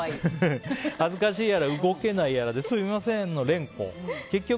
恥ずかしいやら動けないやらですみませんの連呼。